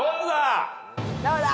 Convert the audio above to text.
どうだ？